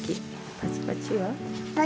パチパチは？